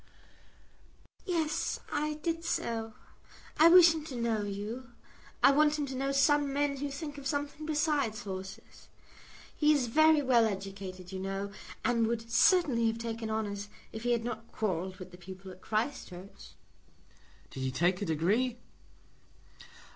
"Yes; I did so. I wish him to know you. I want him to know some men who think of something besides horses. He is very well educated, you know, and would certainly have taken honours if he had not quarrelled with the people at Christ Church." "Did he take a degree?"